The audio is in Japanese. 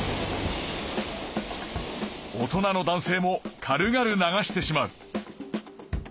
大人の男性も軽々流してしまう。